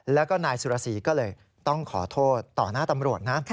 แล้วก็นายสุรสีก็เลยต้องขอโทษต่อหน้าตำรวจนะ